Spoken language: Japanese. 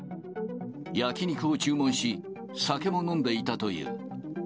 焼き肉を注文し、酒も飲んでいたという。